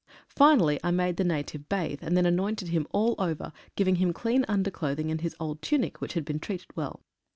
Finally I made the native bathe, and then anointed him all over, giving him clean underclothing and his old tunic, which had been treated well.